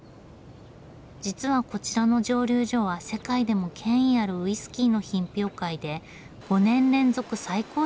実はこちらの蒸留所は世界でも権威あるウイスキーの品評会で５年連続最高賞受賞中。